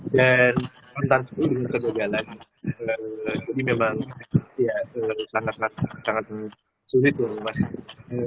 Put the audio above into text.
dan kontansi itu dengan kegagalan jadi memang sangat sangat sulit untuk memasuki